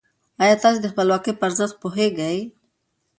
ايا تاسې د خپلواکۍ په ارزښت پوهېږئ؟